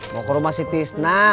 mau ke rumah si tisna